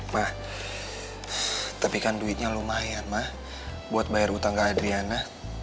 wah tapi kan duitnya lumayan mah buat bayar utang ke adriana